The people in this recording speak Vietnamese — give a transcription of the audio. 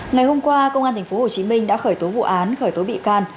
ngày hôm qua công an tp hcm đã khởi tố vụ án khởi tố bị can